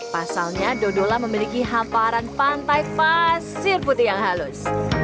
pasalnya dodola memiliki hamparan pantai pasir putih yang halus